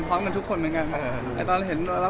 พร้อมกันทุกคนเหมือนกัน